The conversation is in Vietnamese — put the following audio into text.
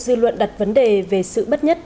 dư luận đặt vấn đề về sự bất nhất